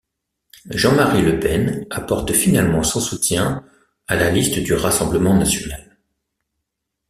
Jean-Marie Le Pen apporte finalement son soutien à la liste du Rassemblement national.